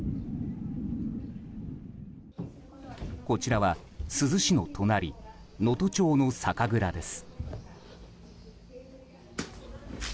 こちらは、珠洲市の隣能登町の酒蔵です。